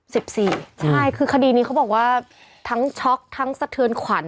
ใช่คือคดีนี้เขาบอกว่าทั้งช็อกทั้งสะเทือนขวัญ